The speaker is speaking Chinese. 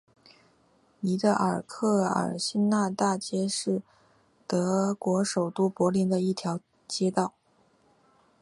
尼德尔克尔新纳大街是德国首都柏林的一条街道。